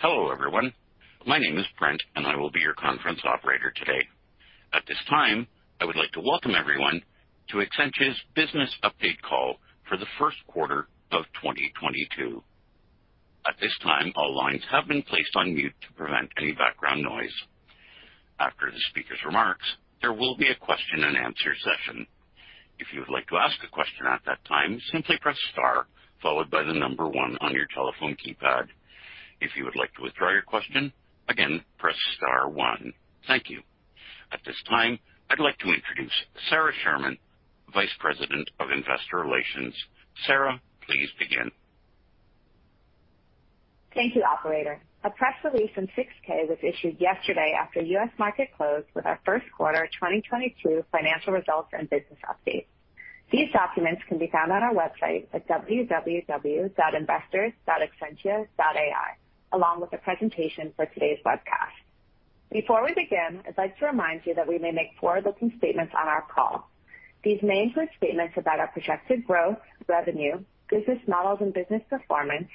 Hello everyone. My name is Brent, and I will be your conference operator today. At this time, I would like to welcome everyone to Exscientia's business update call for the Q1 of 2022. At this time, all lines have been placed on mute to prevent any background noise. After the speaker's remarks, there will be a question-and-answer session. If you would like to ask a question at that time, simply press Star followed by the number one on your telephone keypad. If you would like to withdraw your question, again, press star one. Thank you. At this time, I'd like to introduce Sara Sherman, Vice President of Investor Relations. Sara, please begin. Thank you, operator. A press release in 6-K was issued yesterday after U.S. market closed with our Q1 2022 financial results and business updates. These documents can be found on our website at www.investors.exscientia.ai, along with a presentation for today's webcast. Before we begin, I'd like to remind you that we may make forward-looking statements on our call. These may include statements about our projected growth, revenue, business models and business performance,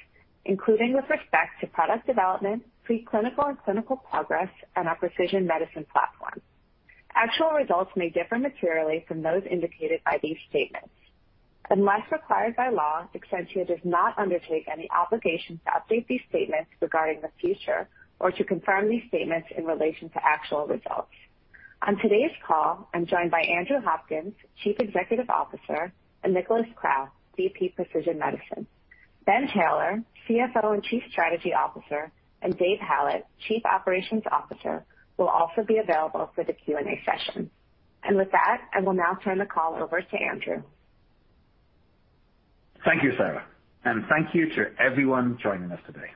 including with respect to product development, pre-clinical and clinical progress and our precision medicine platform. Actual results may differ materially from those indicated by these statements. Unless required by law, Exscientia does not undertake any obligation to update these statements regarding the future or to confirm these statements in relation to actual results. On today's call, I'm joined by Andrew Hopkins, Chief Executive Officer, and Nikolaus Krall, VP, Precision Medicine. Ben Taylor, CFO and Chief Strategy Officer, and Dave Hallett, Chief Operations Officer, will also be available for the Q&A session. With that, I will now turn the call over to Andrew. Thank you, Sara, and thank you to everyone joining us today.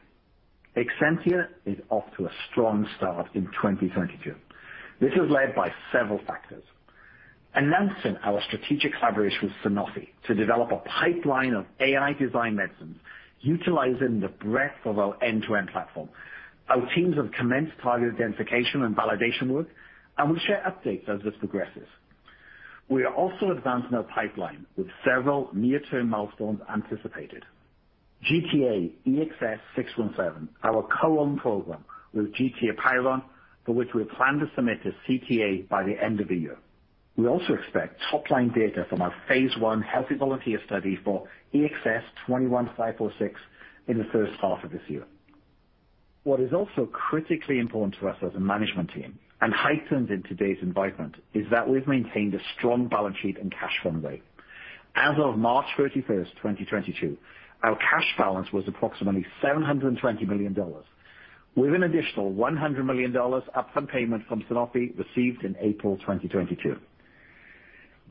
Exscientia is off to a strong start in 2022. This is led by several factors. We are announcing our strategic collaboration with Sanofi to develop a pipeline of AI-designed medicines utilizing the breadth of our end-to-end platform. Our teams have commenced target identification and validation work, and we'll share updates as this progresses. We are also advancing our pipeline with several near-term milestones anticipated. GTAEXS617, our co-owned program with GT Apeiron, for which we plan to submit a CTA by the end of the year. We also expect top-line data from our phase 1 healthy volunteer study for EXS-21546 in the H1 of this year. What is also critically important to us as a management team and heightened in today's environment is that we've maintained a strong balance sheet and cash runway. As of March 31st, 2022, our cash balance was approximately $720 million, with an additional $100 million upfront payment from Sanofi received in April 2022.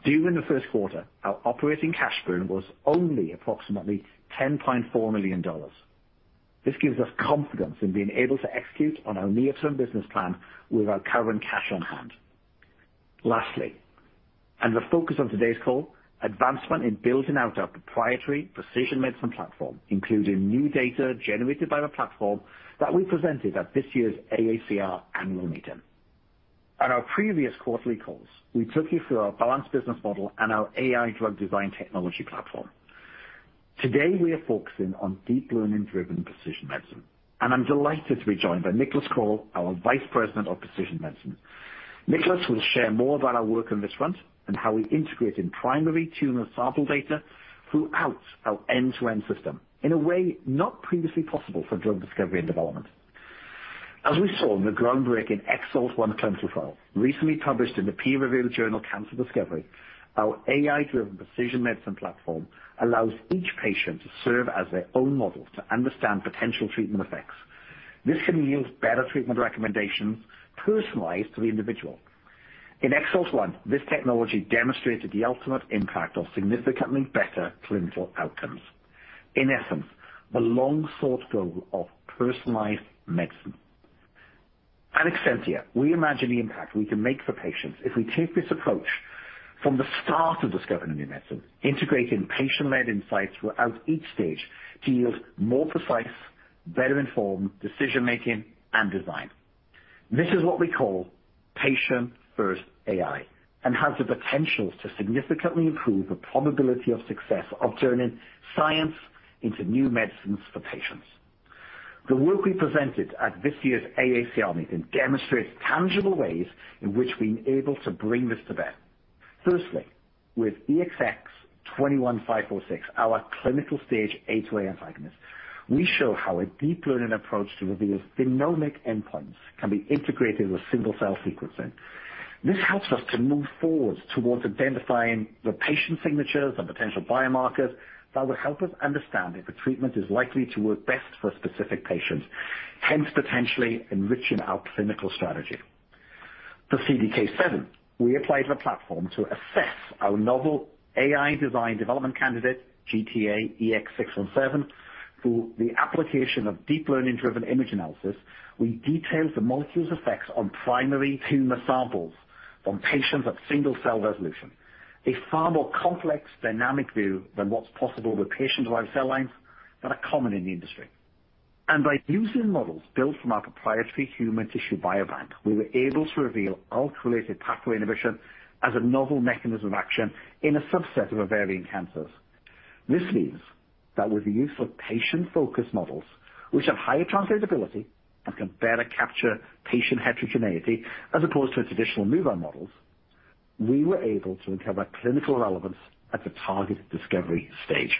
During the Q1, our operating cash burn was only approximately $10.4 million. This gives us confidence in being able to execute on our near-term business plan with our current cash on hand. Lastly, and the focus of today's call, advancement in building out our proprietary precision medicine platform, including new data generated by the platform that we presented at this year's AACR annual meeting. On our previous quarterly calls, we took you through our balanced business model and our AI drug design technology platform. Today, we are focusing on deep learning-driven precision medicine, and I'm delighted to be joined by Nikolaus Krall, our Vice President of Precision Medicine. Nikolaus will share more about our work on this front and how we integrate in primary tumor sample data throughout our end-to-end system in a way not previously possible for drug discovery and development. As we saw in the groundbreaking EXALT-1 clinical trial recently published in the peer-reviewed journal Cancer Discovery, our AI-driven precision medicine platform allows each patient to serve as their own model to understand potential treatment effects. This can yield better treatment recommendations personalized to the individual. In EXALT-1, this technology demonstrated the ultimate impact of significantly better clinical outcomes. In essence, the long-sought goal of personalized medicine. At Exscientia, we imagine the impact we can make for patients if we take this approach from the start of discovering a new medicine, integrating patient-led insights throughout each stage to yield more precise, better informed decision-making and design. This is what we call patient-first AI and has the potential to significantly improve the probability of success of turning science into new medicines for patients. The work we presented at this year's AACR meeting demonstrates tangible ways in which we're able to bring this to bear. Firstly, with EXS-21546, our clinical stage A2A antagonist, we show how a deep learning approach to reveal phenomic endpoints can be integrated with single cell sequencing. This helps us to move forward towards identifying the patient signatures and potential biomarkers that will help us understand if a treatment is likely to work best for a specific patient, hence potentially enriching our clinical strategy. For CDK7, we applied the platform to assess our novel AI design development candidate, GTAEXS617. Through the application of deep learning-driven image analysis, we detailed the molecule's effects on primary tumor samples from patients at single cell resolution, a far more complex dynamic view than what's possible with patient-derived cell lines that are common in the industry. By using models built from our proprietary human tissue biobank, we were able to reveal ALT-related pathway inhibition as a novel mechanism of action in a subset of ovarian cancers. This means that with the use of patient-focused models, which have higher translatability and can better capture patient heterogeneity as opposed to a traditional murine models, we were able to uncover clinical relevance at the target discovery stage.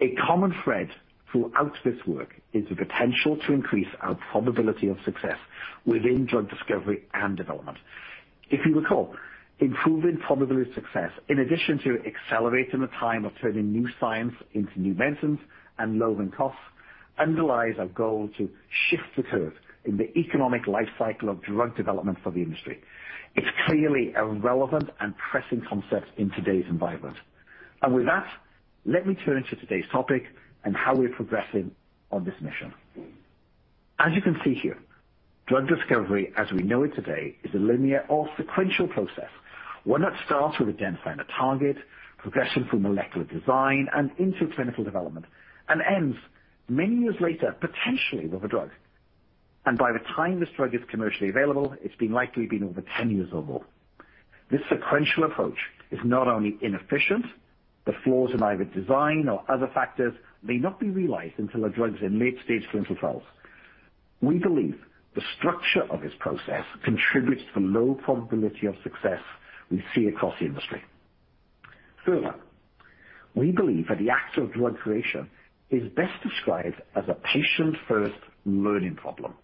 A common thread throughout this work is the potential to increase our probability of success within drug discovery and development. If you recall, improving probability of success, in addition to accelerating the time of turning new science into new medicines and lowering costs, underlies our goal to shift the curve in the economic life cycle of drug development for the industry. It's clearly a relevant and pressing concept in today's environment. With that, let me turn to today's topic and how we're progressing on this mission. As you can see here, drug discovery, as we know it today, is a linear or sequential process. One that starts with identifying a target, progressing through molecular design and into clinical development, and ends many years later, potentially with a drug. By the time this drug is commercially available, it's been likely over 10 years or more. This sequential approach is not only inefficient, but flaws in either design or other factors may not be realized until a drug's in late-stage clinical trials. We believe the structure of this process contributes to the low probability of success we see across the industry. Further, we believe that the act of drug creation is best described as a patient first learning problem.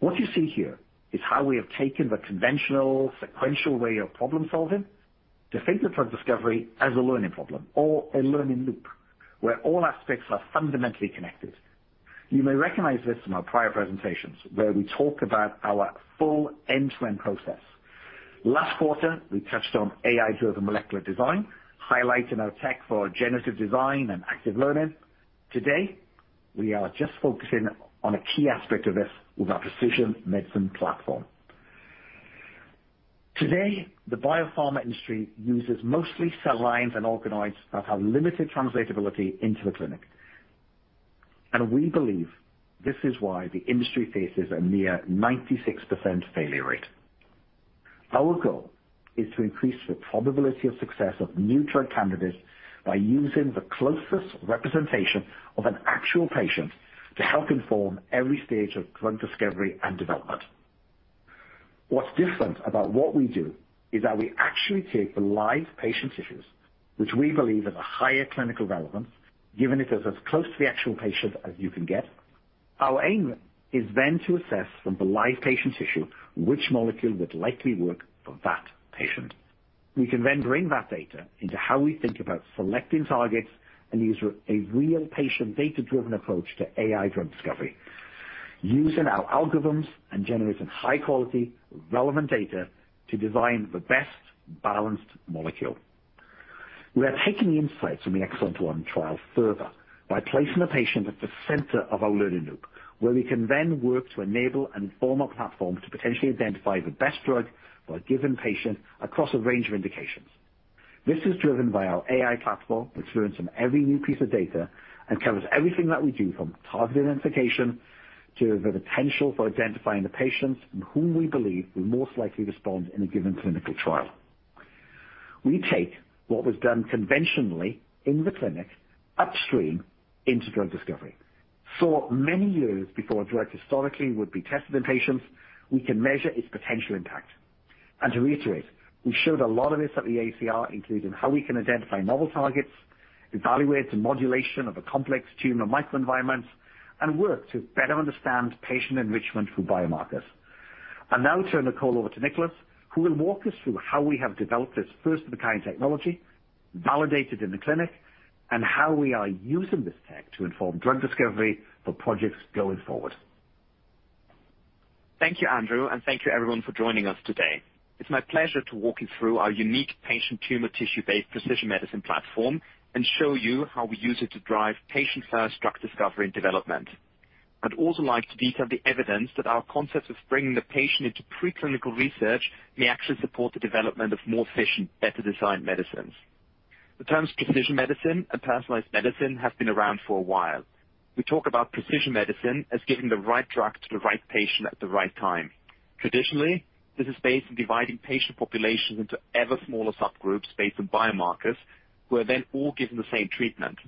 What you see here is how we have taken the conventional sequential way of problem-solving to think of drug discovery as a learning problem or a learning loop where all aspects are fundamentally connected. You may recognize this from our prior presentations where we talk about our full end-to-end process. Last quarter, we touched on AI-driven molecular design, highlighting our tech for generative design and active learning. Today, we are just focusing on a key aspect of this with our precision medicine platform. Today, the biopharma industry uses mostly cell lines and organoids that have limited translatability into the clinic. We believe this is why the industry faces a near 96% failure rate. Our goal is to increase the probability of success of new drug candidates by using the closest representation of an actual patient to help inform every stage of drug discovery and development. What's different about what we do is that we actually take the live patient tissues, which we believe have a higher clinical relevance, given it is as close to the actual patient as you can get. Our aim is then to assess from the live patient tissue which molecule would likely work for that patient. We can then bring that data into how we think about selecting targets and use a real patient data-driven approach to AI drug discovery, using our algorithms and generating high quality relevant data to design the best balanced molecule. We are taking the insights from the EXALT-1 trial further by placing the patient at the center of our learning loop, where we can then work to enable and inform our platform to potentially identify the best drug for a given patient across a range of indications. This is driven by our AI platform, which learns from every new piece of data and covers everything that we do from target identification to the potential for identifying the patients whom we believe will most likely respond in a given clinical trial. We take what was done conventionally in the clinic upstream into drug discovery. Many years before a drug historically would be tested in patients, we can measure its potential impact. To reiterate, we showed a lot of this at the AACR, including how we can identify novel targets, evaluate the modulation of a complex tumor microenvironment, and work to better understand patient enrichment through biomarkers. I'll now turn the call over to Nikolaus, who will walk us through how we have developed this first of a kind technology, validate it in the clinic, and how we are using this tech to inform drug discovery for projects going forward. Thank you, Andrew, and thank you everyone for joining us today. It's my pleasure to walk you through our unique patient tumor tissue-based precision medicine platform and show you how we use it to drive patient-first drug discovery and development. I'd also like to detail the evidence that our concept of bringing the patient into preclinical research may actually support the development of more efficient, better designed medicines. The terms precision medicine and personalized medicine have been around for a while. We talk about precision medicine as giving the right drug to the right patient at the right time. Traditionally, this is based on dividing patient populations into ever smaller subgroups based on biomarkers who are then all given the same treatment.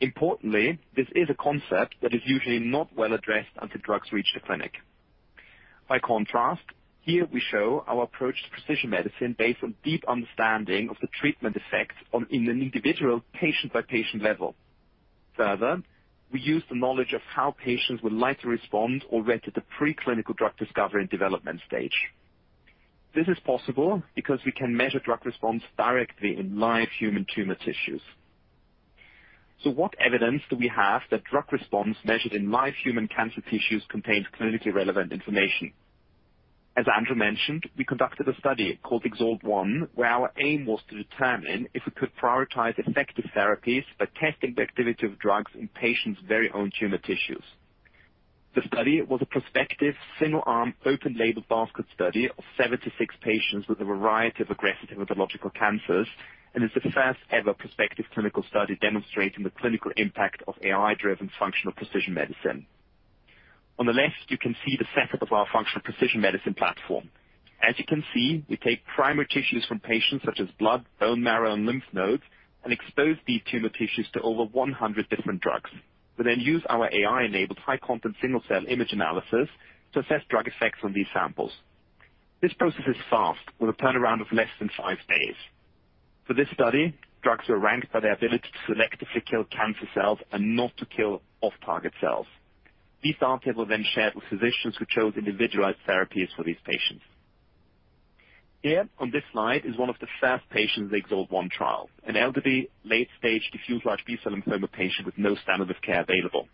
Importantly, this is a concept that is usually not well addressed until drugs reach the clinic. By contrast, here we show our approach to precision medicine based on deep understanding of the treatment effects in an individual patient-by-patient level. Further, we use the knowledge of how patients would likely respond already at the preclinical drug discovery and development stage. This is possible because we can measure drug response directly in live human tumor tissues. What evidence do we have that drug response measured in live human cancer tissues contains clinically relevant information? As Andrew mentioned, we conducted a study called EXALT-1, where our aim was to determine if we could prioritize effective therapies by testing the activity of drugs in patients' very own tumor tissues. The study was a prospective single-arm open label basket study of 76 patients with a variety of aggressive hematological cancers, and is the first ever prospective clinical study demonstrating the clinical impact of AI-driven functional precision medicine. On the left, you can see the setup of our functional precision medicine platform. As you can see, we take primary tissues from patients such as blood, bone marrow, and lymph nodes and expose these tumor tissues to over 100 different drugs. We then use our AI-enabled high-content single-cell image analysis to assess drug effects on these samples. This process is fast, with a turnaround of less than five days. For this study, drugs are ranked by their ability to selectively kill cancer cells and not to kill off-target cells. These data were then shared with physicians who chose individualized therapies for these patients. Here on this slide is one of the first patients of the EXALT-1 trial, an elderly, late-stage diffuse large B-cell lymphoma patient with no standard of care available.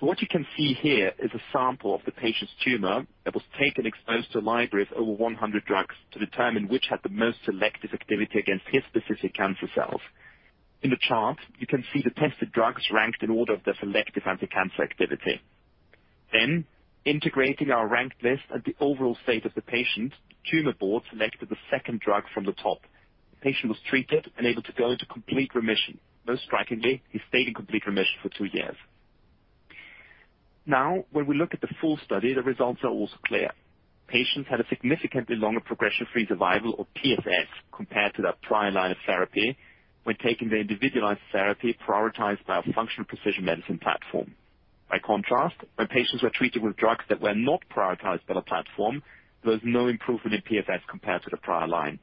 What you can see here is a sample of the patient's tumor that was taken, exposed to libraries of over 100 drugs to determine which had the most selective activity against his specific cancer cells. In the chart, you can see the tested drugs ranked in order of their selective anticancer activity. Integrating our ranked list and the overall state of the patient, the tumor board selected the second drug from the top. The patient was treated and able to go into complete remission. Most strikingly, he stayed in complete remission for two years. When we look at the full study, the results are also clear. Patients had a significantly longer progression-free survival, or PFS, compared to their prior line of therapy when taking the individualized therapy prioritized by our functional precision medicine platform. By contrast, when patients were treated with drugs that were not prioritized by the platform, there was no improvement in PFS compared to the prior line.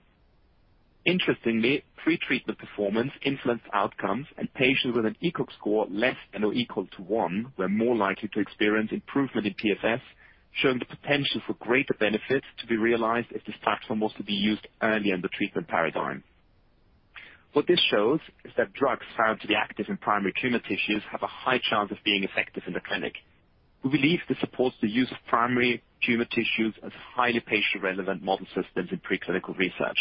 Interestingly, pretreatment performance influenced outcomes, and patients with an ECOG score less than or equal to one were more likely to experience improvement in PFS, showing the potential for greater benefits to be realized if this platform was to be used early in the treatment paradigm. What this shows is that drugs found to be active in primary tumor tissues have a high chance of being effective in the clinic. We believe this supports the use of primary tumor tissues as highly patient-relevant model systems in preclinical research.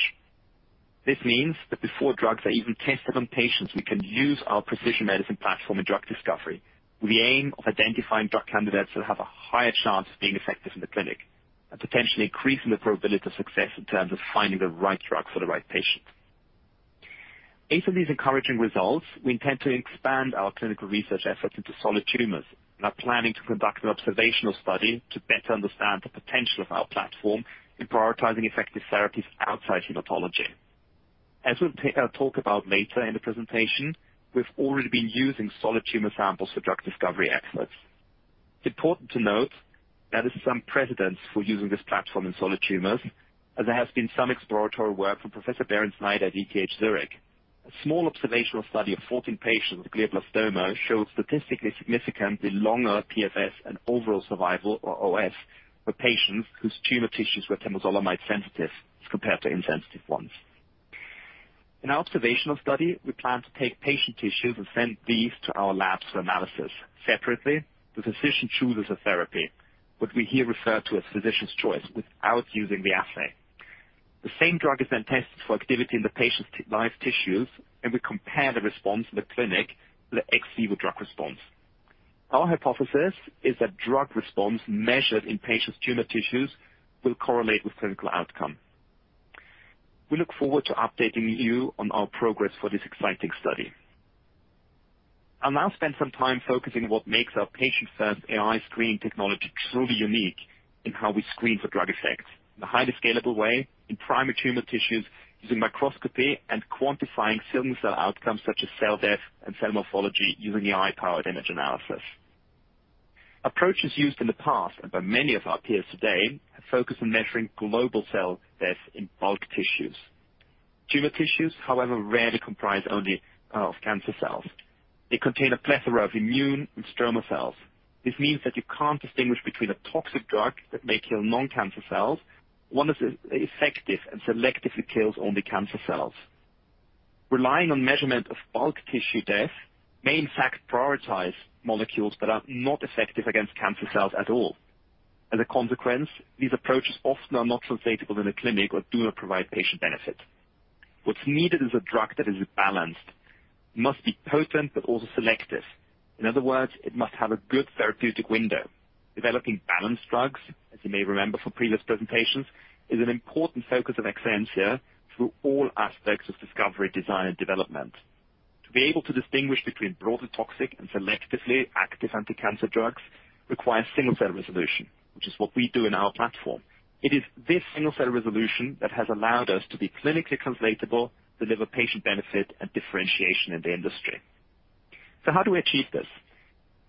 This means that before drugs are even tested on patients, we can use our precision medicine platform in drug discovery with the aim of identifying drug candidates that have a higher chance of being effective in the clinic and potentially increasing the probability of success in terms of finding the right drug for the right patient. In some of these encouraging results, we intend to expand our clinical research efforts into solid tumors and are planning to conduct an observational study to better understand the potential of our platform in prioritizing effective therapies outside hematology. As we'll talk about later in the presentation, we've already been using solid tumor samples for drug discovery efforts. Important to note, there is some precedence for using this platform in solid tumors, as there has been some exploratory work from Professor Berend Snijder at ETH Zurich. A small observational study of 14 patients with glioblastoma showed statistically significantly longer PFS and overall survival, or OS, for patients whose tumor tissues were temozolomide sensitive as compared to insensitive ones. In our observational study, we plan to take patient tissues and send these to our labs for analysis. Separately, the physician chooses a therapy, what we here refer to as physician's choice, without using the assay. The same drug is then tested for activity in the patient's ex vivo tissues, and we compare the response in the clinic to the ex vivo drug response. Our hypothesis is that drug response measured in patients' tumor tissues will correlate with clinical outcome. We look forward to updating you on our progress for this exciting study. I'll now spend some time focusing on what makes our patient-first AI screening technology truly unique in how we screen for drug effects in a highly scalable way in primary tumor tissues using microscopy and quantifying single-cell outcomes such as cell death and cell morphology using AI-powered image analysis. Approaches used in the past by many of our peers today have focused on measuring global cell death in bulk tissues. Tumor tissues, however, rarely comprise only of cancer cells. They contain a plethora of immune and stroma cells. This means that you can't distinguish between a toxic drug that may kill non-cancer cells, one that is effective and selectively kills only cancer cells. Relying on measurement of bulk tissue death may in fact prioritize molecules that are not effective against cancer cells at all. As a consequence, these approaches often are not translatable in a clinic or do not provide patient benefit. What's needed is a drug that is balanced. It must be potent but also selective. In other words, it must have a good therapeutic window. Developing balanced drugs, as you may remember from previous presentations, is an important focus of Exscientia through all aspects of discovery, design, and development. To be able to distinguish between broadly toxic and selectively active anticancer drugs requires single-cell resolution, which is what we do in our platform. It is this single-cell resolution that has allowed us to be clinically translatable, deliver patient benefit, and differentiation in the industry. How do we achieve this?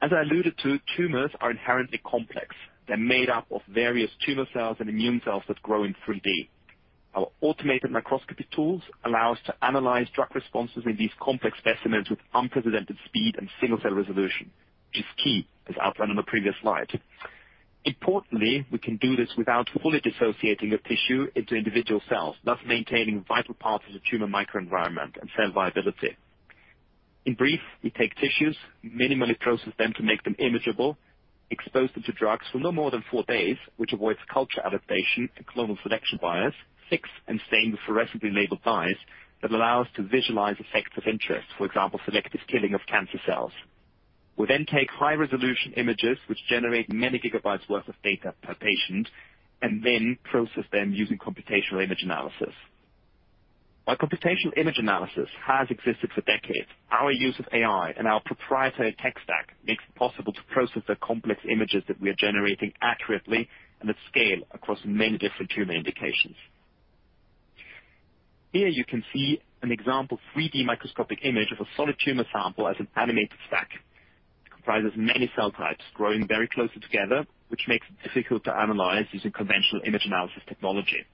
As I alluded to, tumors are inherently complex. They're made up of various tumor cells and immune cells that grow in 3D. Our automated microscopy tools allow us to analyze drug responses in these complex specimens with unprecedented speed and single-cell resolution, which is key, as outlined on the previous slide. Importantly, we can do this without fully dissociating a tissue into individual cells, thus maintaining vital parts of the tumor microenvironment and cell viability. In brief, we take tissues, minimally process them to make them imageable, expose them to drugs for no more than four days, which avoids culture adaptation and clonal selection bias, fix and stain with fluorescently labeled dyes that allow us to visualize effects of interest, for example, selective killing of cancer cells. We then take high-resolution images, which generate many gigabytes worth of data per patient, and then process them using computational image analysis. While computational image analysis has existed for decades, our use of AI and our proprietary tech stack makes it possible to process the complex images that we are generating accurately and at scale across many different tumor indications. Here you can see an example 3D microscopic image of a solid tumor sample as an animated stack. It comprises many cell types growing very closely together, which makes it difficult to analyze using conventional image analysis technology.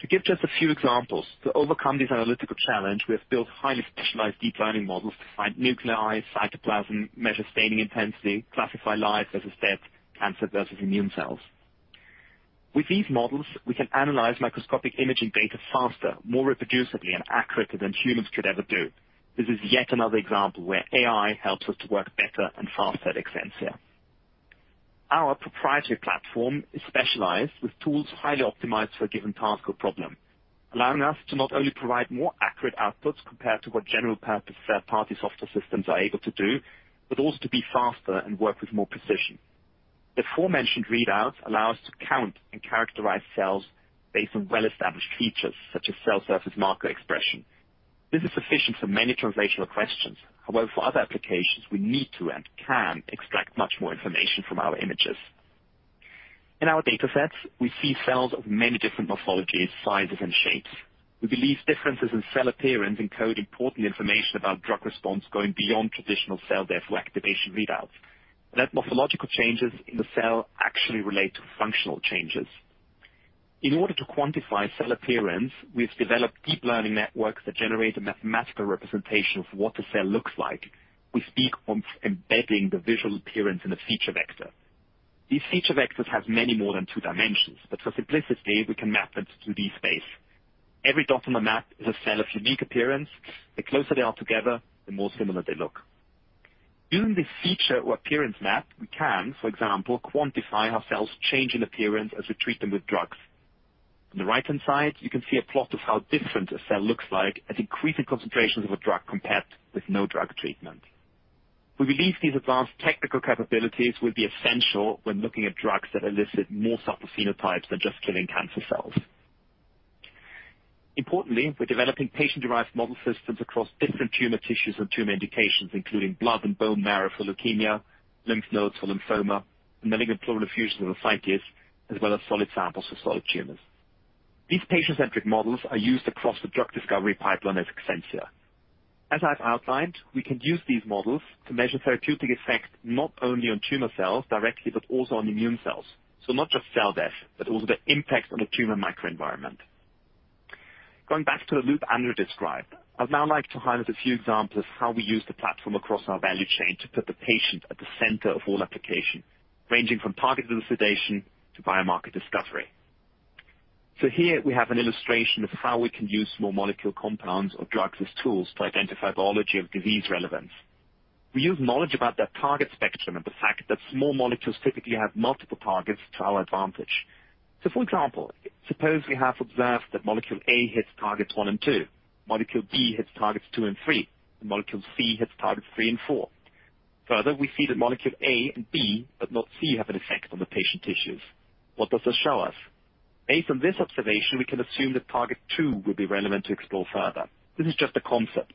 To give just a few examples, to overcome this analytical challenge, we have built highly specialized deep learning models to find nuclei, cytoplasm, measure staining intensity, classify live versus dead cancer versus immune cells. With these models, we can analyze microscopic imaging data faster, more reproducibly and accurately than humans could ever do. This is yet another example where AI helps us to work better and faster at Exscientia. Our proprietary platform is specialized with tools highly optimized for a given task or problem, allowing us to not only provide more accurate outputs compared to what general purpose third-party software systems are able to do, but also to be faster and work with more precision. The aforementioned readouts allow us to count and characterize cells based on well-established features such as cell surface marker expression. This is sufficient for many translational questions. However, for other applications, we need to and can extract much more information from our images. In our datasets, we see cells of many different morphologies, sizes and shapes. We believe differences in cell appearance encode important information about drug response going beyond traditional cell death or activation readouts, and that morphological changes in the cell actually relate to functional changes. In order to quantify cell appearance, we've developed deep learning networks that generate a mathematical representation of what the cell looks like. We speak of embedding the visual appearance in a feature vector. These feature vectors have many more than two dimensions, but for simplicity, we can map them to 3D space. Every dot on the map is a cell of unique appearance. The closer they are together, the more similar they look. Using this feature or appearance map, we can, for example, quantify how cells change in appearance as we treat them with drugs. On the right-hand side, you can see a plot of how different a cell looks like at increasing concentrations of a drug compared with no drug treatment. We believe these advanced technical capabilities will be essential when looking at drugs that elicit more subtle phenotypes than just killing cancer cells. Importantly, we're developing patient-derived model systems across different tumor tissues or tumor indications, including blood and bone marrow for leukemia, lymph nodes for lymphoma, malignant pleural effusion for tissue, as well as solid samples for solid tumors. These patient-centric models are used across the drug discovery pipeline at Exscientia. As I've outlined, we can use these models to measure therapeutic effect not only on tumor cells directly, but also on immune cells. Not just cell death, but also the impact on the tumor microenvironment. Going back to the loop Andrew described, I'd now like to highlight a few examples of how we use the platform across our value chain to put the patient at the center of all application, ranging from target elucidation to biomarker discovery. Here we have an illustration of how we can use small molecule compounds or drugs as tools to identify biology of disease relevance. We use knowledge about that target spectrum and the fact that small molecules typically have multiple targets to our advantage. For example, suppose we have observed that molecule A hits targets one and two, molecule B hits targets two and three, and molecule C hits targets three and four. Further, we see that molecule A and B, but not C, have an effect on the patient tissues. What does this show us? Based on this observation, we can assume that target two would be relevant to explore further. This is just a concept.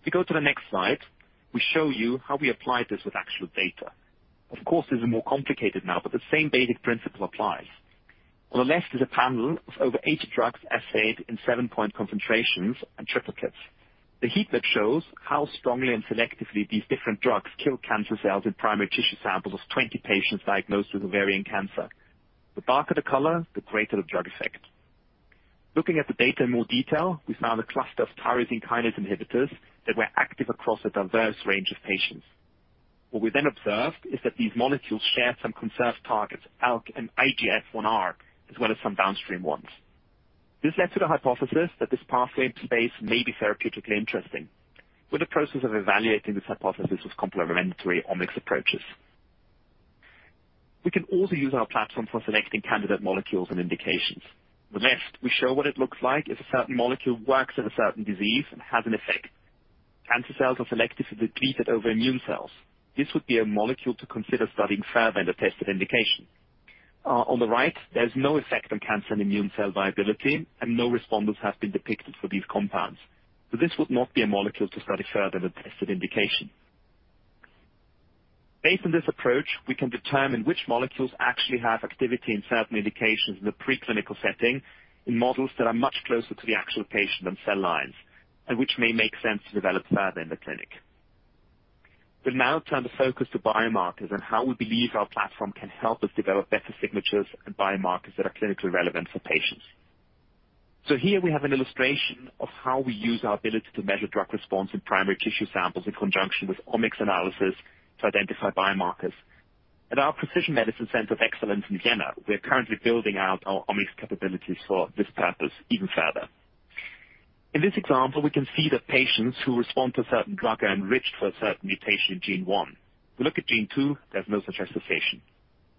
If we go to the next slide, we show you how we applied this with actual data. Of course, this is more complicated now, but the same basic principle applies. On the left is a panel of over 80 drugs assayed in 7-point concentrations and triplicates. The heatmap that shows how strongly and selectively these different drugs kill cancer cells in primary tissue samples of 20 patients diagnosed with ovarian cancer. The darker the color, the greater the drug effect. Looking at the data in more detail, we found a cluster of tyrosine kinase inhibitors that were active across a diverse range of patients. What we then observed is that these molecules share some conserved targets, ALK and IGF-1R, as well as some downstream ones. This led to the hypothesis that this pathway in this space may be therapeutically interesting. With the process of evaluating this hypothesis with complementary omics approaches. We can also use our platform for selecting candidate molecules and indications. On the left, we show what it looks like if a certain molecule works in a certain disease and has an effect. Cancer cells are selectively depleted over immune cells. This would be a molecule to consider studying further in a tested indication. On the right, there's no effect on cancer and immune cell viability, and no responders have been depicted for these compounds. This would not be a molecule to study further in a tested indication. Based on this approach, we can determine which molecules actually have activity in certain indications in the preclinical setting, in models that are much closer to the actual patient than cell lines, and which may make sense to develop further in the clinic. We'll now turn the focus to biomarkers and how we believe our platform can help us develop better signatures and biomarkers that are clinically relevant for patients. Here we have an illustration of how we use our ability to measure drug response in primary tissue samples in conjunction with omics analysis to identify biomarkers. At our Precision Medicine Center of Excellence in Jena, we are currently building out our omics capabilities for this purpose even further. In this example, we can see that patients who respond to a certain drug are enriched for a certain mutation in gene one. If we look at gene two, there's no such association.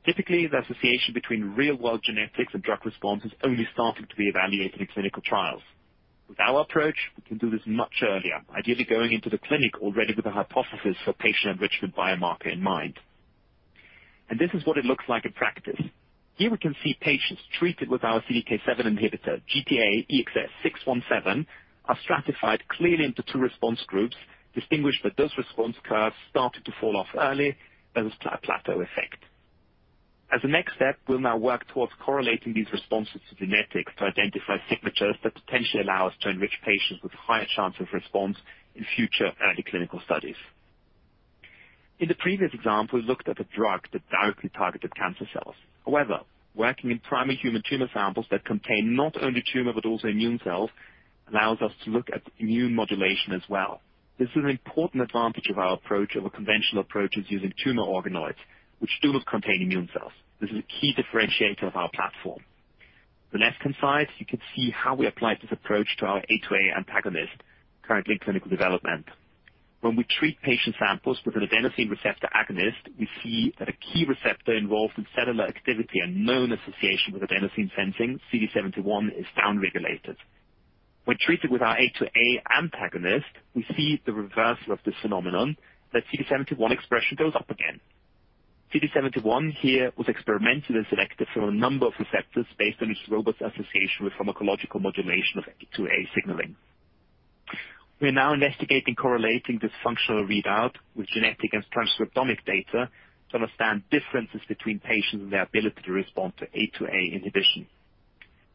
Typically, the association between real-world genetics and drug response is only starting to be evaluated in clinical trials. With our approach, we can do this much earlier, ideally going into the clinic already with a hypothesis for patient enrichment biomarker in mind. This is what it looks like in practice. Here we can see patients treated with our CDK7 inhibitor, GTAEXS617, are stratified clearly into two response groups, distinguished by those response curves, started to fall off early. There was a plateau effect. As a next step, we'll now work towards correlating these responses to genetics to identify signatures that potentially allow us to enrich patients with higher chance of response in future early clinical studies. In the previous example, we looked at a drug that directly targeted cancer cells. However, working in primary human tumor samples that contain not only tumor but also immune cells allows us to look at immune modulation as well. This is an important advantage of our approach over conventional approaches using tumor organoids, which do not contain immune cells. This is a key differentiator of our platform. The left-hand side, you can see how we apply this approach to our A2A antagonist, currently in clinical development. When we treat patient samples with an adenosine receptor agonist, we see that a key receptor involved in cellular activity and known association with adenosine sensing, CD71, is downregulated. When treated with our A2A antagonist, we see the reversal of this phenomenon that CD71 expression goes up again. CD71 here was experimented and selected from a number of receptors based on its robust association with pharmacological modulation of A2A signaling. We are now investigating correlating this functional readout with genetic and transcriptomic data to understand differences between patients and their ability to respond to A2A inhibition.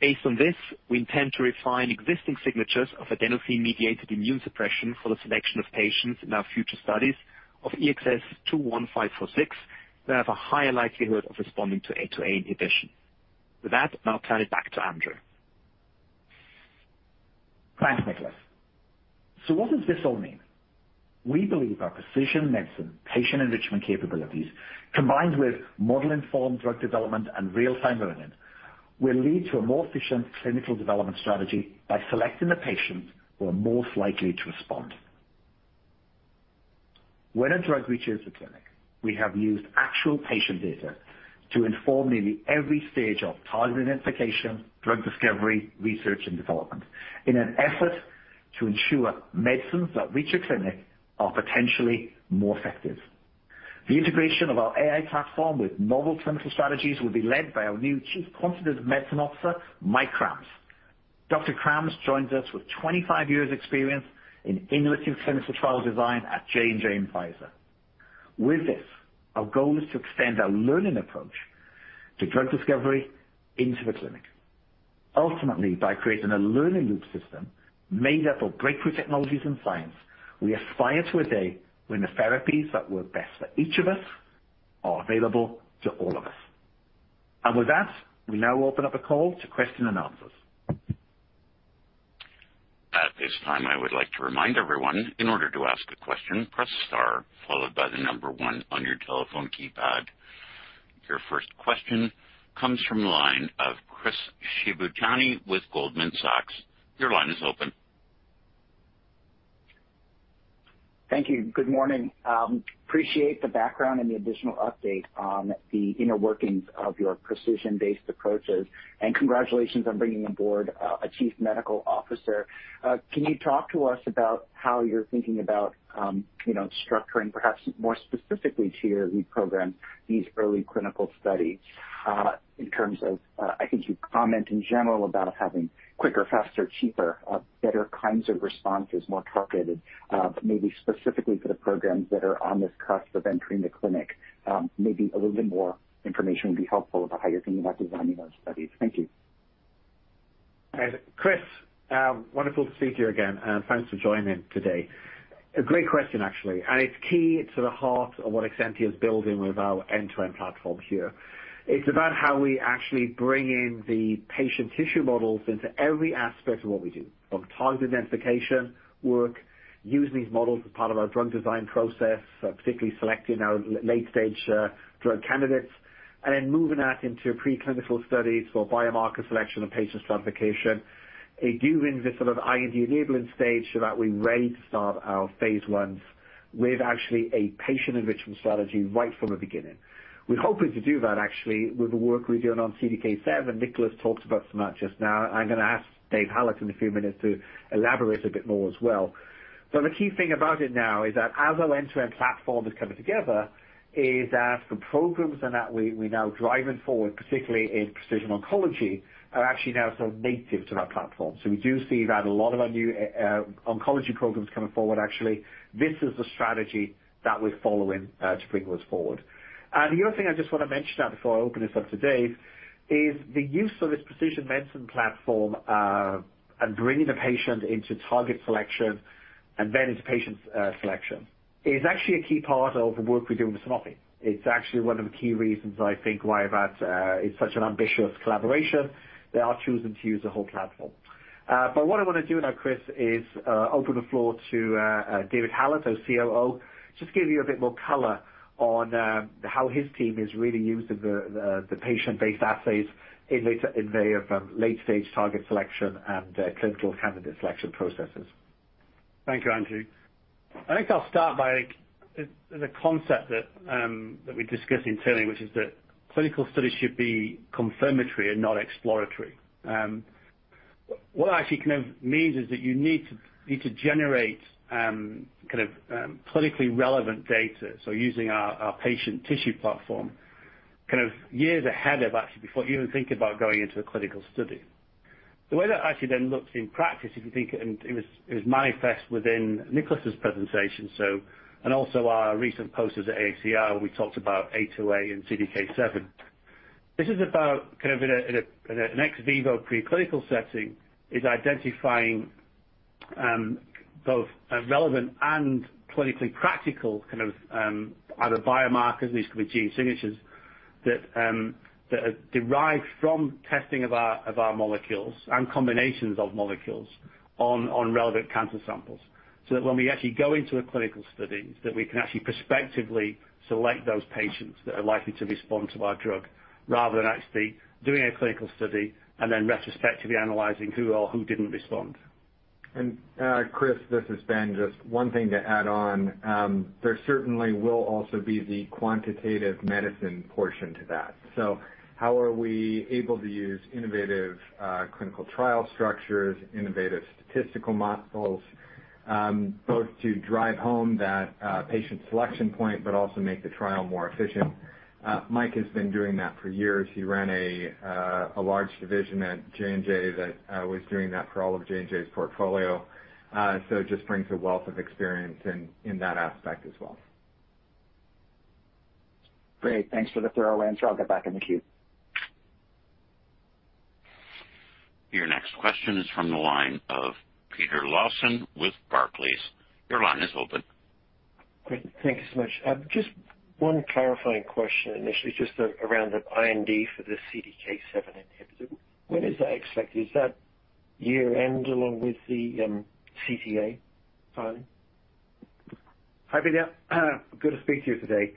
Based on this, we intend to refine existing signatures of adenosine-mediated immune suppression for the selection of patients in our future studies of EXS-21546 that have a higher likelihood of responding to A2A inhibition. With that, I'll turn it back to Andrew. Thanks, Nikolaus. What does this all mean? We believe our precision medicine patient enrichment capabilities, combined with model-informed drug development and real-time learning, will lead to a more efficient clinical development strategy by selecting the patients who are most likely to respond. When a drug reaches the clinic, we have used actual patient data to inform nearly every stage of target identification, drug discovery, research, and development in an effort to ensure medicines that reach a clinic are potentially more effective. The integration of our AI platform with novel clinical strategies will be led by our new Chief Quantitative Medicine Officer, Mike Krams. Dr. Krams joins us with 25 years' experience in innovative clinical trial design at J&J and Pfizer. With this, our goal is to extend our learning approach to drug discovery into the clinic. Ultimately, by creating a learning loop system made up of breakthrough technologies and science, we aspire to a day when the therapies that work best for each of us are available to all of us. With that, we now open up the call to question and answers. At this time, I would like to remind everyone, in order to ask a question, press star followed by the number one on your telephone keypad. Your first question comes from the line of Chris Shibutani with Goldman Sachs. Your line is open. Thank you. Good morning. Appreciate the background and the additional update on the inner workings of your precision-based approaches, and congratulations on bringing on board a Chief Medical Officer. Can you talk to us about how you're thinking about, you know, structuring perhaps more specifically to your lead program, these early clinical studies, in terms of. I think you comment in general about having quicker, faster, cheaper, better kinds of responses, more targeted, maybe specifically for the programs that are on this cusp of entering the clinic. Maybe a little bit more information would be helpful about how you're thinking about designing those studies. Thank you. Chris, wonderful to speak to you again, and thanks for joining today. A great question, actually, and it's key to the heart of what Exscientia's building with our end-to-end platform here. It's about how we actually bring in the patient tissue models into every aspect of what we do. From target identification work, using these models as part of our drug design process, particularly selecting our late stage drug candidates, and then moving that into preclinical studies for biomarker selection and patient stratification. We do it in this sort of IND-enabling stage so that we can start our phase ones with actually a patient enrichment strategy right from the beginning. We're hoping to do that actually with the work we're doing on CDK7, Nikolaus Krall talked about some of that just now. I'm going to ask Dave Hallett in a few minutes to elaborate a bit more as well. The key thing about it now is that as our end-to-end platform is coming together, the programs and that we now driving forward, particularly in precision oncology, are actually now sort of native to our platform. We do see that a lot of our new oncology programs coming forward actually. This is the strategy that we're following to bring those forward. The other thing I just want to mention now before I open this up to Dave is the use of this precision medicine platform and bringing the patient into target selection and then into patient selection is actually a key part of the work we do with Sanofi. It's actually one of the key reasons I think why that is such an ambitious collaboration. They are choosing to use the whole platform. What I want to do now, Chris, is open the floor to Dave Hallett, our COO. Just give you a bit more color on how his team is really using the patient-based assays in their late-stage target selection and clinical candidate selection processes. Thank you, Andrew. I think I'll start by the concept that we discussed internally, which is that clinical studies should be confirmatory and not exploratory. What it actually kind of means is that you need to generate kind of clinically relevant data. Using our patient tissue platform, kind of years ahead of actually before you even think about going into a clinical study. The way that actually then looks in practice, if you think, it was manifest within Nikolaus's presentation, and also our recent posters at AACR, we talked about A2A and CDK7. This is about kind of in an ex vivo preclinical setting, identifying both relevant and clinically practical kind of either biomarkers, these could be gene signatures, that are derived from testing of our molecules and combinations of molecules on relevant cancer samples. that when we actually go into a clinical study, that we can actually prospectively select those patients that are likely to respond to our drug, rather than actually doing a clinical study and then retrospectively analyzing who or who didn't respond. Chris, this is Ben. Just one thing to add on. There certainly will also be the quantitative medicine portion to that. How are we able to use innovative clinical trial structures, innovative statistical models, both to drive home that patient selection point, but also make the trial more efficient. Mike has been doing that for years. He ran a large division at J&J that was doing that for all of J&J's portfolio. Just brings a wealth of experience in that aspect as well. Great. Thanks for the throwaway, and I'll get back in the queue. Your next question is from the line of Peter Lawson with Barclays. Your line is open. Great. Thank you so much. Just one clarifying question initially, just around the IND for the CDK7 inhibitor. When is that expected? Is that year-end along with the CTA filing? Hi, Peter. Good to speak to you today.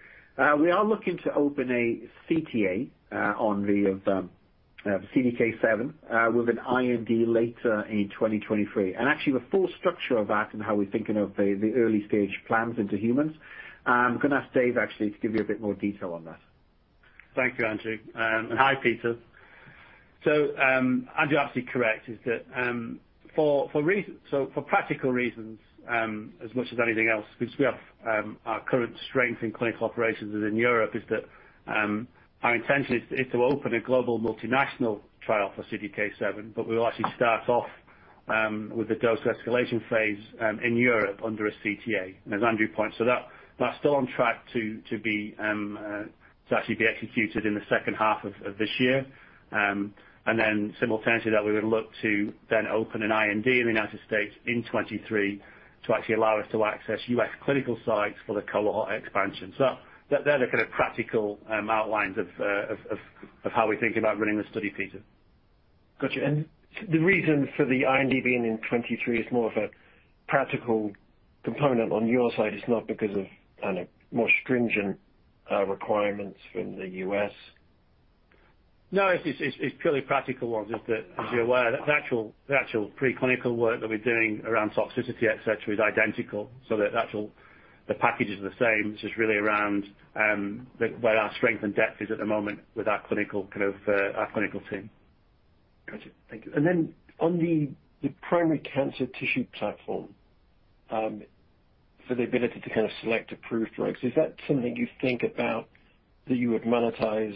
We are looking to open a CTA on the CDK7 with an IND later in 2023. Actually, the full structure of that and how we're thinking of the early-stage plans into humans, I'm going to ask Dave actually to give you a bit more detail on that. Thank you, Andrew. Hi, Peter. Andrew, actually correct, is that for practical reasons, as much as anything else, because we have our current strength in clinical operations within Europe, our intention is to open a global multinational trial for CDK7. We will actually start off with the dose escalation phase in Europe under a CTA. As Andrew points out, that's still on track to be executed in the H2 of this year. Simultaneously we would look to open an IND in the United States in 2023 to actually allow us to access US clinical sites for the cohort expansion. They're the kind of practical outlines of how we're thinking about running the study, Peter. Got you. The reason for the IND being in 2023 is more of a practical component on your side. It's not because of, I don't know, more stringent requirements from the U.S. No, it's purely practical ones. Just that, as you're aware, the actual preclinical work that we're doing around toxicity, et cetera, is identical. The actual packages are the same. This is really around where our strength and depth is at the moment with our clinical, kind of, our clinical team. Got you. Thank you. On the primary cancer tissue platform, for the ability to kind of select approved drugs, is that something you think about that you would monetize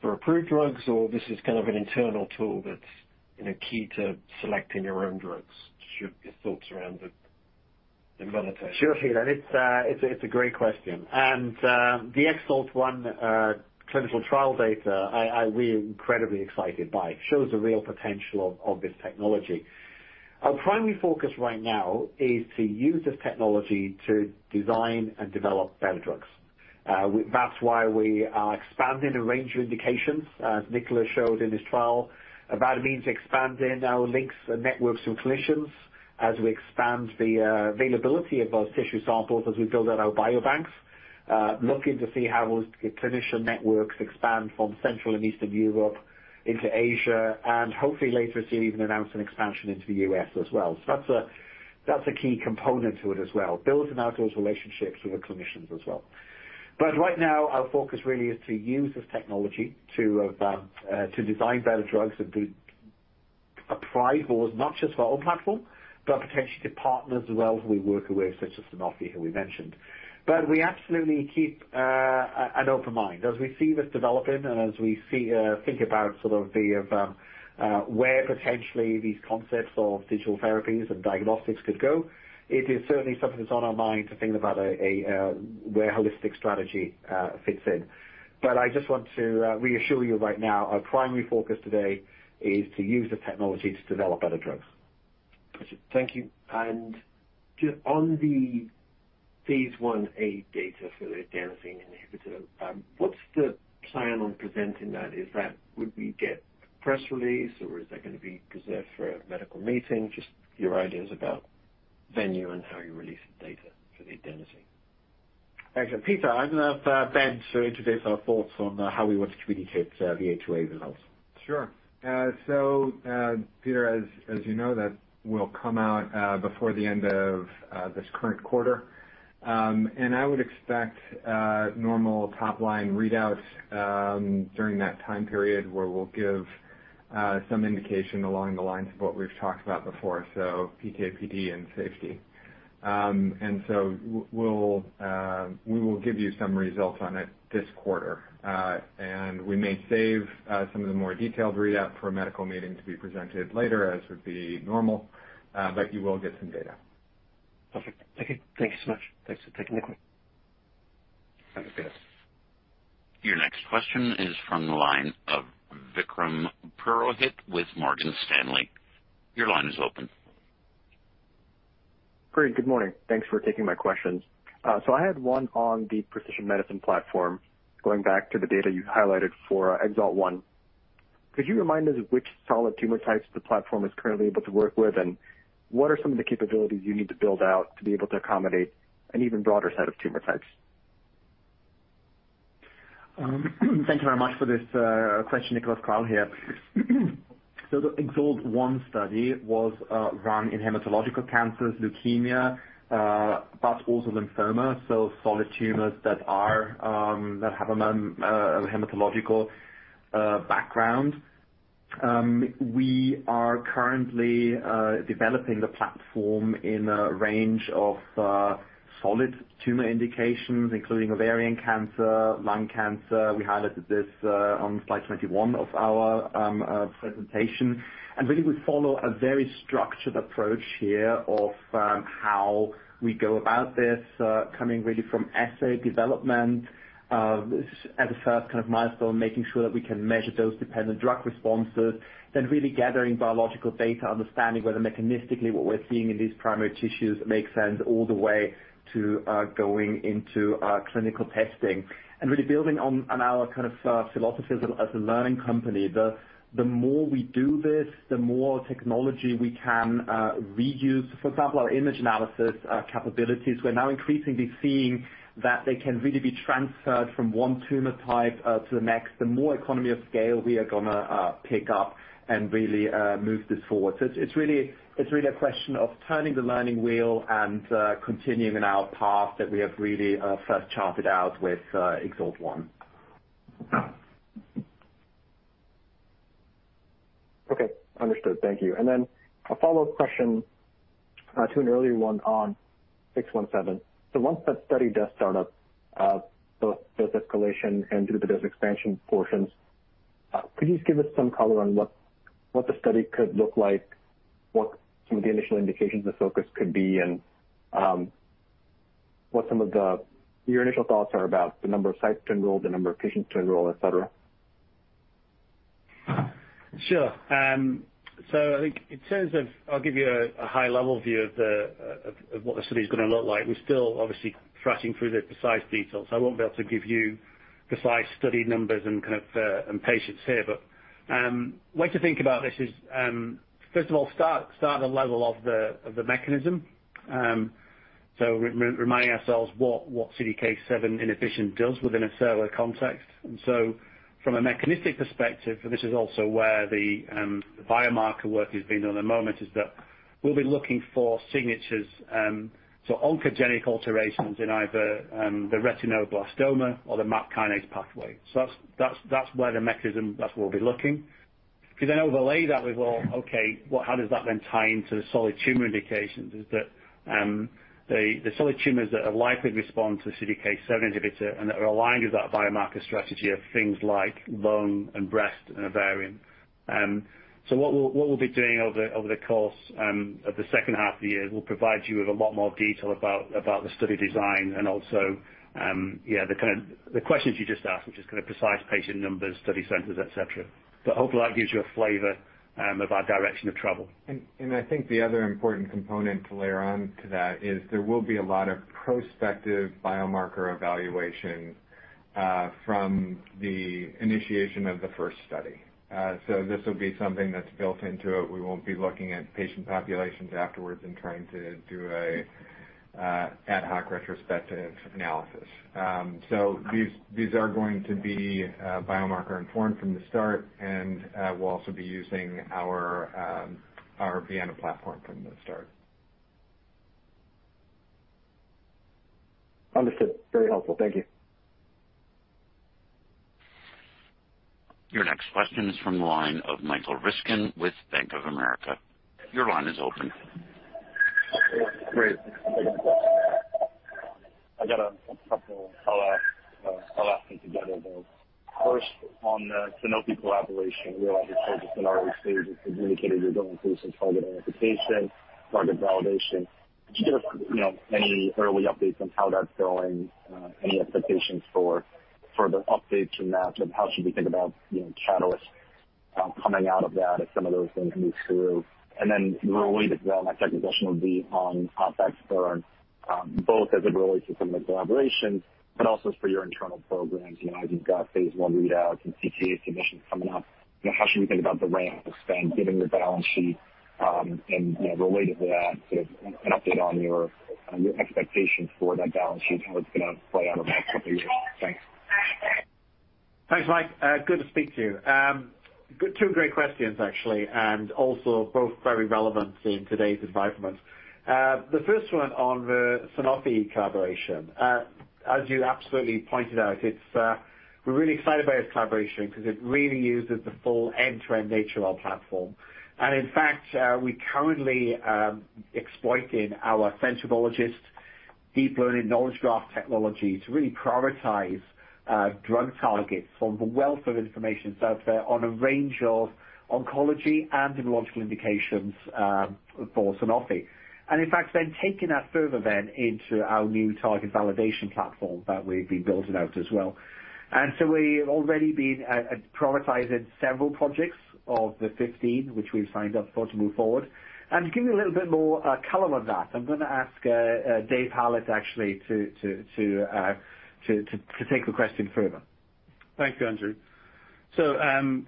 for approved drugs? Or this is kind of an internal tool that's a key to selecting your own drugs? Just your thoughts around it in monetization. Sure thing. It's a great question. The EXALT-1 clinical trial data, we are incredibly excited by. It shows the real potential of this technology. Our primary focus right now is to use this technology to design and develop better drugs. That's why we are expanding a range of indications, as Nikolaus showed in his trial. That means expanding our links and networks with clinicians as we expand the availability of those tissue samples as we build out our biobanks. Looking to see how those clinician networks expand from Central and Eastern Europe into Asia, and hopefully later to even announce an expansion into the US as well. That's a key component to it as well, building out those relationships with the clinicians as well. Right now, our focus really is to use this technology to design better drugs and to apply those, not just for our platform, but potentially to partners as well who we work with, such as Sanofi, who we mentioned. We absolutely keep an open mind. As we see this developing and think about sort of where potentially these concepts of digital therapies and diagnostics could go, it is certainly something that's on our mind to think about where a holistic strategy fits in. I just want to reassure you right now, our primary focus today is to use the technology to develop better drugs. Got you. Thank you. Just on the phase 1a data for the CDK7 inhibitor, what's the plan on presenting that? Is that, would we get a press release or is that going to be preserved for a medical meeting? Just your ideas about venue and how you release the data for the IND? Actually, Peter, I'm going to have Ben to introduce our thoughts on how we want to communicate the A2A results. Sure. Peter, as you know, that will come out before the end of this current quarter. I would expect normal top-line readouts during that time period where we'll give some indication along the lines of what we've talked about before, so PK/PD and safety. We'll give you some results on it this quarter. We may save some of the more detailed readout for a medical meeting to be presented later, as would be normal, but you will get some data. Perfect. Thank you. Thank you so much. Thanks for taking the call. Thank you. Your next question is from the line of Vikram Purohit with Morgan Stanley. Your line is open. Great, good morning. Thanks for taking my questions. I had one on the precision medicine platform. Going back to the data you highlighted for EXALT-1, could you remind us which solid tumor types the platform is currently able to work with? And what are some of the capabilities you need to build out to be able to accommodate an even broader set of tumor types? Thank you very much for this question, Nikolaus Krall here. The EXALT-1 study was run in hematological cancers, leukemia, but also lymphoma, so solid tumors that are that have a hematological background. We are currently developing the platform in a range of solid tumor indications, including ovarian cancer, lung cancer. We highlighted this on slide 21 of our presentation. Really we follow a very structured approach here of how we go about this, coming really from assay development as a first kind of milestone, making sure that we can measure dose-dependent drug responses. Then really gathering biological data, understanding whether mechanistically what we're seeing in these primary tissues makes sense all the way to going into clinical testing. Really building on our kind of philosophy as a learning company. The more we do this, the more technology we can reuse. For example, our image analysis capabilities, we're now increasingly seeing that they can really be transferred from one tumor type to the next. The more economy of scale we are going to pick up and really move this forward. It's really a question of turning the learning wheel and continuing in our path that we have really first charted out with EXALT-1. Okay. Understood. Thank you. A follow-up question to an earlier one on GTAEXS617. Once that study does start up, both dose escalation and through the dose expansion portions, could you just give us some color on what the study could look like, what some of the initial indications the focus could be, and what some of your initial thoughts are about the number of sites to enroll, the number of patients to enroll, et cetera? Sure. I think in terms of, I'll give you a high-level view of what the study's going to look like. We're still obviously thrashing through the precise details. I won't be able to give you precise study numbers and patients here. Way to think about this is, first of all, start at the level of the mechanism. Reminding ourselves what CDK7 inhibition does within a cellular context. From a mechanistic perspective, this is also where the biomarker work is being done at the moment, is that we'll be looking for signatures, oncogenic alterations in either the retinoblastoma or the MAP kinase pathway. That's where the mechanism, that's where we'll be looking. If you then overlay that with, well, okay, what how does that then tie into the solid tumor indications? Is that the solid tumors that are likely to respond to CDK7 inhibitor and that are aligned with that biomarker strategy of things like lung and breast and ovarian. What we'll be doing over the course of the H2 of the year is we'll provide you with a lot more detail about the study design and also yeah the kind of questions you just asked, which is kind of precise patient numbers, study centers, et cetera. Hopefully that gives you a flavor of our direction of travel. I think the other important component to layer on to that is there will be a lot of prospective biomarker evaluation from the initiation of the first study. This will be something that's built into it. We won't be looking at patient populations afterwards and trying to do a ad hoc retrospective analysis. These are going to be biomarker informed from the start, and we'll also be using our Vienna platform from the start. Understood. Very helpful. Thank you. Your next question is from the line of Michael Ryskin with Bank of America. Your line is open. Great. I got a couple. I'll ask them together, though. First, on the Sanofi collaboration, we know obviously it's in early stages. You've indicated you're going through some target identification, target validation. Could you give us, you know, any early updates on how that's going? Any expectations for further updates in that? And how should we think about, you know, catalysts coming out of that as some of those things move through? And then related to that, my second question would be on CapEx burn, both as it relates to some of the collaborations, but also for your internal programs. You know, as you've got phase 1 readouts and CTA submissions coming up, you know, how should we think about the ramp of spend given your balance sheet? You know, related to that, sort of an update on your expectations for that balance sheet and how it's going to play out over the next couple years. Thanks. Thanks, Mike. Good to speak to you. Two great questions, actually, and also both very relevant in today's environment. The first one on the Sanofi collaboration. As you absolutely pointed out, it's We're really excited about this collaboration 'cause it really uses the full end-to-end nature of our platform. In fact, we currently exploiting our Centaur Biologist deep learning knowledge graph technology to really prioritize drug targets from the wealth of information that's out there on a range of oncology and immunological indications for Sanofi. In fact, then taking that further then into our new target validation platform that we've been building out as well. We've already been prioritizing several projects of the 15 which we've signed up for to move forward. To give you a little bit more color on that, I'm going to ask Dave Hallett actually to take the question further. Thank you, Andrew.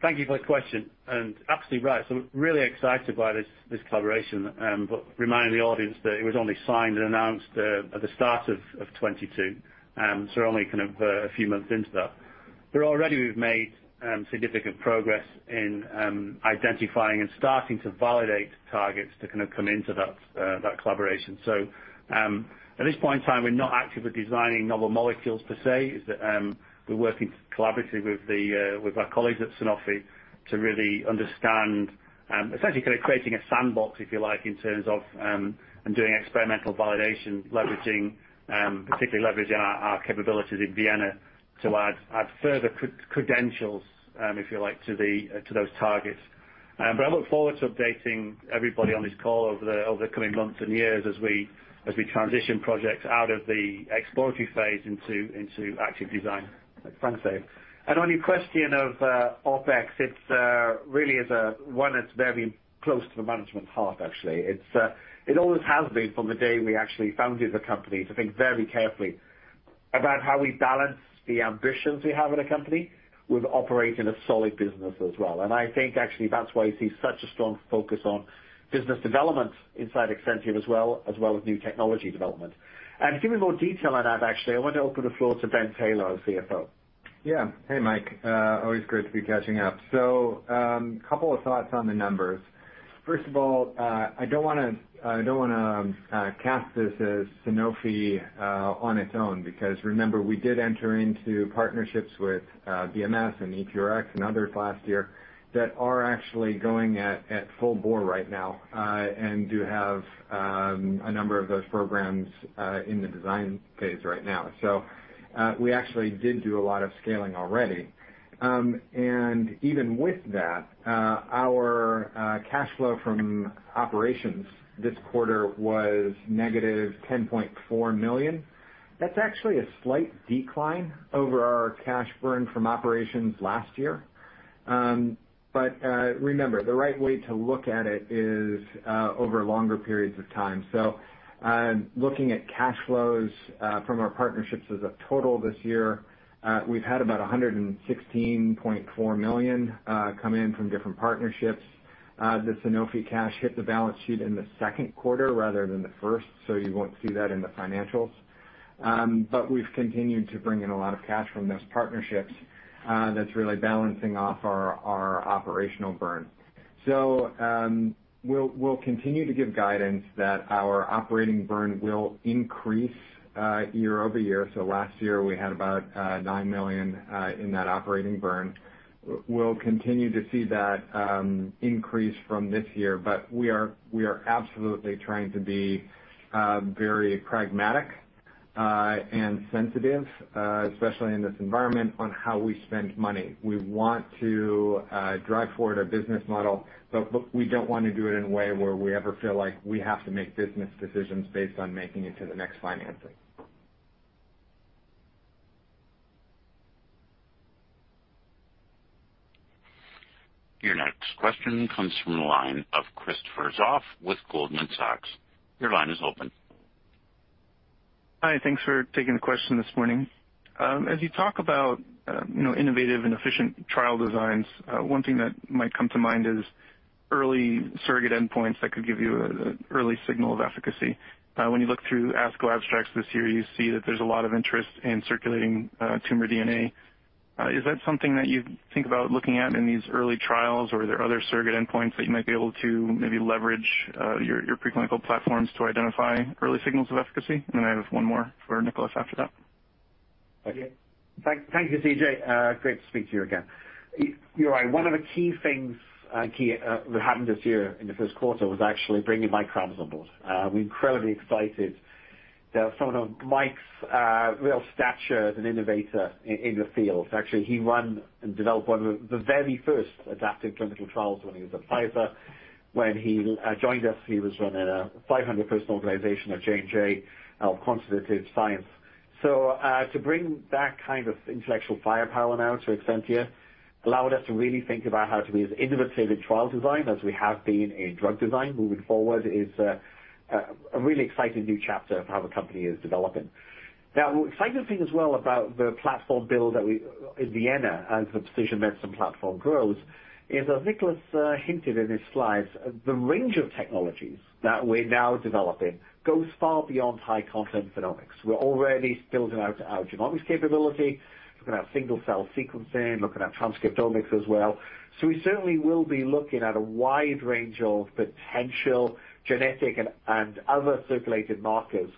Thank you for the question, and absolutely right. We're really excited by this collaboration, but reminding the audience that it was only signed and announced at the start of 2022. We're only kind of a few months into that. Already we've made significant progress in identifying and starting to validate targets to kind of come into that collaboration. At this point in time, we're not actively designing novel molecules per se, that is, we're working collaboratively with our colleagues at Sanofi to really understand essentially kind of creating a sandbox, if you like, in terms of and doing experimental validation, particularly leveraging our capabilities in Vienna to add further credentials, if you like, to those targets. I look forward to updating everybody on this call over the coming months and years as we transition projects out of the exploratory phase into active design. Thanks, Dave. On your question of OpEx, it's really is a one that's very close to the management's heart actually. It always has been from the day we actually founded the company to think very carefully about how we balance the ambitions we have in a company with operating a solid business as well. I think actually that's why you see such a strong focus on business development inside Exscientia as well as new technology development. To give you more detail on that, actually, I want to open the floor to Ben Taylor, our CFO. Yeah. Hey, Mike. Always great to be catching up. Couple of thoughts on the numbers. First of all, I don't want to cast this as Sanofi on its own, because remember, we did enter into partnerships with BMS and EQRx and others last year that are actually going at full bore right now, and do have a number of those programs in the design phase right now. We actually did do a lot of scaling already. And even with that, our cash flow from operations this quarter was negative $10.4 million. That's actually a slight decline over our cash burn from operations last year. Remember, the right way to look at it is over longer periods of time. Looking at cash flows from our partnerships as a total this year, we've had about $116.4 million come in from different partnerships. The Sanofi cash hit the balance sheet in the Q2 rather than the first, so you won't see that in the financials. But we've continued to bring in a lot of cash from those partnerships, that's really balancing off our operational burn. We'll continue to give guidance that our operating burn will increase year-over-year. Last year, we had about $9 million in that operating burn. We'll continue to see that increase from this year, but we are absolutely trying to be very pragmatic and sensitive, especially in this environment, on how we spend money. We want to drive forward our business model, but, look, we don't want to do it in a way where we ever feel like we have to make business decisions based on making it to the next financing. Your next question comes from the line of Christopher Zopf with Goldman Sachs. Your line is open. Hi. Thanks for taking the question this morning. As you talk about, you know, innovative and efficient trial designs, one thing that might come to mind is early surrogate endpoints that could give you an early signal of efficacy. When you look through ASCO abstracts this year, you see that there's a lot of interest in circulating tumor DNA. Is that something that you think about looking at in these early trials, or are there other surrogate endpoints that you might be able to maybe leverage your preclinical platforms to identify early signals of efficacy? Then I have one more for Nikolaus Krall after that. Thank you, CJ. Great to speak to you again. You're right. One of the key things that happened this year in the Q1 was actually bringing Michael Krams on board. We're incredibly excited that someone of Mike's real stature as an innovator in the field. Actually, he ran and developed one of the very first adaptive clinical trials when he was at Pfizer. When he joined us, he was running a 500-person organization at J&J quantitative science. To bring that kind of intellectual firepower now to Exscientia allowed us to really think about how to be as innovative in trial design as we have been in drug design moving forward is a really exciting new chapter of how the company is developing. Now, exciting thing as well about the platform build in Vienna as the precision medicine platform grows is, as Nikolaus hinted in his slides, the range of technologies that we're now developing goes far beyond high content phenomics. We're already building out our genomics capability. Looking at single cell sequencing, looking at transcriptomics as well. We certainly will be looking at a wide range of potential genetic and other circulating markers,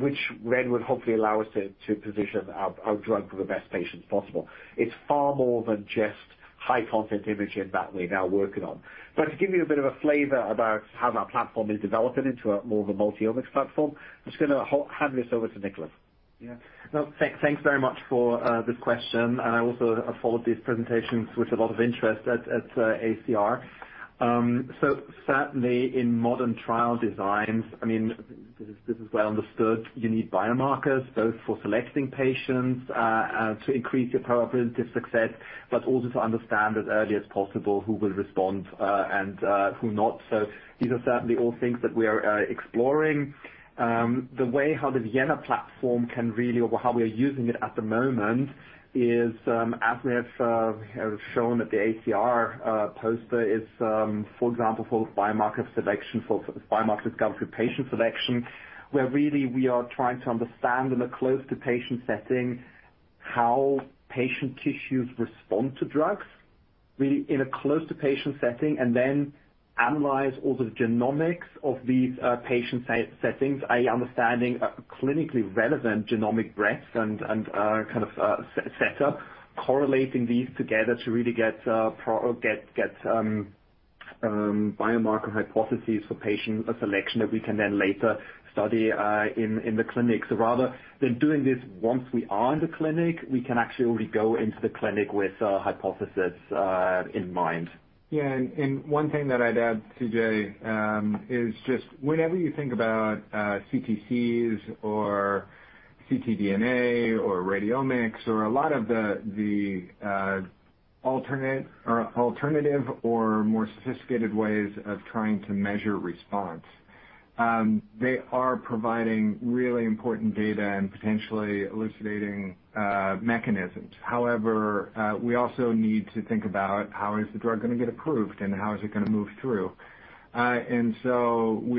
which then would hopefully allow us to position our drug for the best patients possible. It's far more than just high content imaging that we're now working on. To give you a bit of a flavor about how that platform is developing into more of a multi-omics platform, I'm just going to hand this over to Nikolaus Krall. Yeah. No, thanks very much for this question, and I also followed these presentations with a lot of interest at AACR. Certainly in modern trial designs, I mean, this is well understood. You need biomarkers both for selecting patients to increase your probability of success, but also to understand as early as possible who will respond, and who not. These are certainly all things that we are exploring. The way how the Vienna platform can really, or how we are using it at the moment is, as we have shown at the AACR poster, is, for example, for biomarker selection, for biomarker discovery, patient selection, where really we are trying to understand in a close to patient setting how patient tissues respond to drugs, really in a close to patient setting, and then analyze all the genomics of these patient settings, i.e., understanding clinically relevant genomic breadths and kind of set up correlating these together to really get biomarker hypotheses for patient selection that we can then later study in the clinic. Rather than doing this once we are in the clinic, we can actually already go into the clinic with a hypothesis in mind. Yeah. One thing that I'd add, CJ, is just whenever you think about CTCs or ctDNA or radiomics or a lot of the alternate or alternative or more sophisticated ways of trying to measure response, they are providing really important data and potentially elucidating mechanisms. However, we also need to think about how is the drug going to get approved and how is it going to move through. We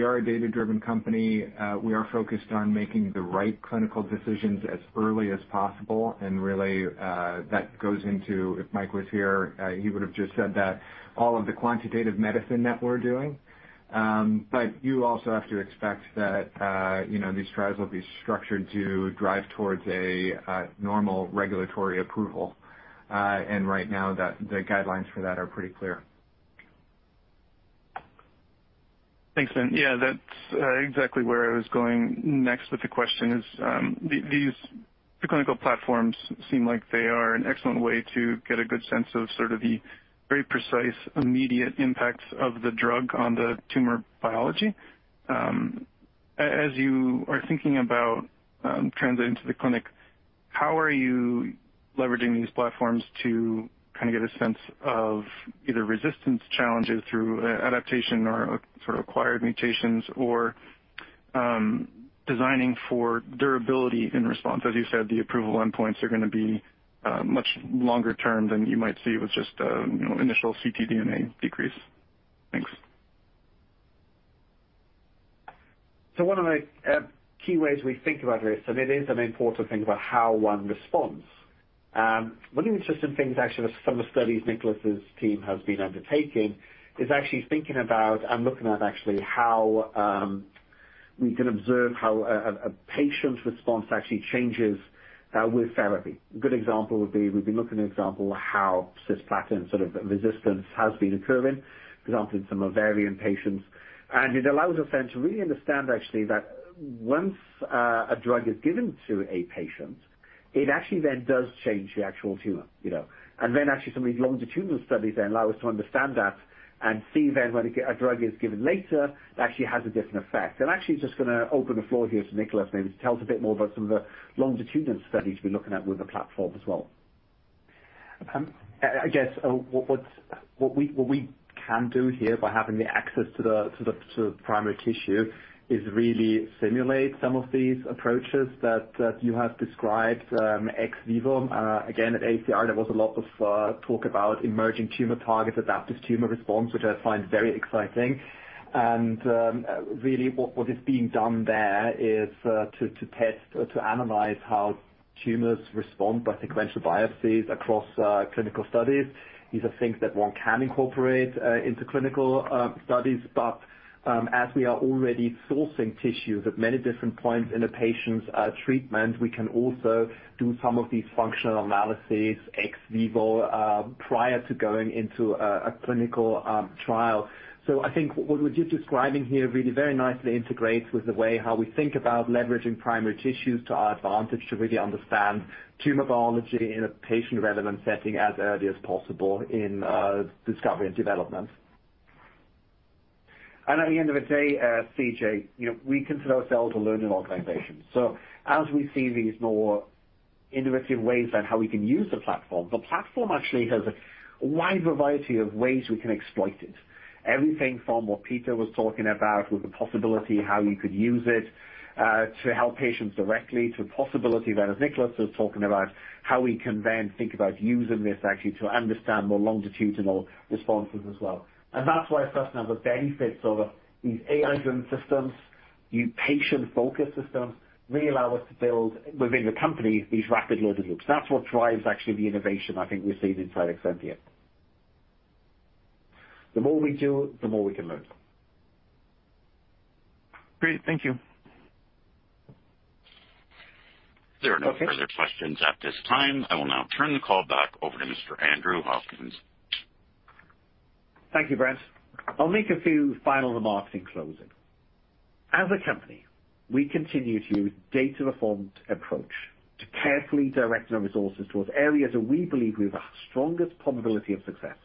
are a data-driven company. We are focused on making the right clinical decisions as early as possible and really that goes into, if Mike was here, he would have just said that all of the quantitative medicine that we're doing. You also have to expect that, you know, these trials will be structured to drive towards a normal regulatory approval. Right now that the guidelines for that are pretty clear. Thanks. Yeah, that's exactly where I was going next with the question is, these clinical platforms seem like they are an excellent way to get a good sense of sort of the very precise immediate impacts of the drug on the tumor biology. As you are thinking about translating to the clinic, how are you leveraging these platforms to kind of get a sense of either resistance challenges through adaptation or sort of acquired mutations or designing for durability in response? As you said, the approval endpoints are going to be much longer term than you might see with just you know, initial ctDNA decrease. Thanks. One of the key ways we think about this, and it is an important thing about how one responds, one of the interesting things actually some of the studies Nikolaus' team has been undertaking is actually thinking about and looking at actually how we can observe how a patient's response actually changes with therapy. A good example would be we've been looking at how cisplatin sort of resistance has been occurring, for example, in some ovarian patients. It allows us then to really understand actually that once a drug is given to a patient, it actually then does change the actual tumor, you know. Then actually some of these longitudinal studies then allow us to understand that and see then when a drug is given later, it actually has a different effect. Actually just going to open the floor here to Nikolaus maybe to tell us a bit more about some of the longitudinal studies we're looking at with the platform as well. I guess what we can do here by having access to the primary tissue is really simulate some of these approaches that you have described ex vivo. Again, at AACR, there was a lot of talk about emerging tumor targets, adaptive tumor response, which I find very exciting. Really what is being done there is to test or to analyze how tumors respond by sequential biopsies across clinical studies. These are things that one can incorporate into clinical studies. As we are already sourcing tissues at many different points in a patient's treatment, we can also do some of these functional analyses ex vivo prior to going into a clinical trial. I think what we're just describing here really very nicely integrates with the way how we think about leveraging primary tissues to our advantage to really understand tumor biology in a patient relevant setting as early as possible in discovery and development. At the end of the day, CJ, you know, we consider ourselves a learning organization. As we see these more innovative ways on how we can use the platform, the platform actually has a wide variety of ways we can exploit it. Everything from what Peter was talking about with the possibility how you could use it, to help patients directly to possibility that as Nikolaus was talking about, how we can then think about using this actually to understand more longitudinal responses as well. That's why it's best now the benefits of these AI-driven systems, these patient-focused systems really allow us to build within the company these rapid learning loops. That's what drives actually the innovation I think we're seeing inside Exscientia. The more we do, the more we can learn. Great. Thank you. There are no further questions at this time. I will now turn the call back over to Mr. Andrew Hopkins. Thank you, Brent. I'll make a few final remarks in closing. As a company, we continue to use data-informed approach to carefully direct our resources towards areas where we believe we have the strongest probability of success.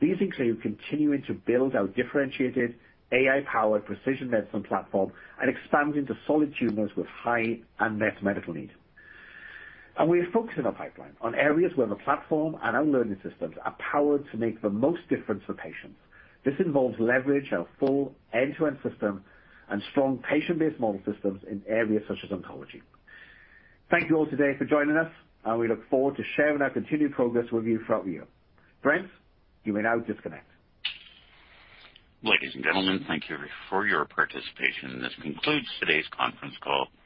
These include continuing to build our differentiated AI-powered precision medicine platform and expanding to solid tumors with high unmet medical need. We are focused on our pipeline on areas where the platform and our learning systems are powered to make the most difference for patients. This involves leverage our full end-to-end system and strong patient-based model systems in areas such as oncology. Thank you all today for joining us, and we look forward to sharing our continued progress with you throughout the year. Brent, you may now disconnect. Ladies and gentlemen, thank you for your participation. This concludes today's conference call.